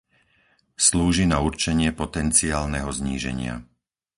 Slúži na určenie potenciálneho zníženia.